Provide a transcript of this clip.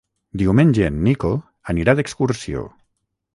Diumenge en Nico anirà d'excursió.